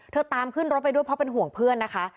ตามขึ้นรถไปด้วยเพราะเป็นห่วงเพื่อนนะคะ